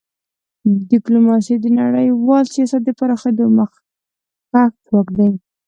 ډیپلوماسي د نړیوال سیاست د پراخېدو مخکښ ځواک دی.